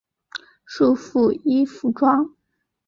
束缚衣服装。